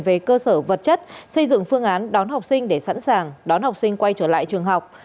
về cơ sở vật chất xây dựng phương án đón học sinh để sẵn sàng đón học sinh quay trở lại trường học